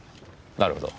なるほど。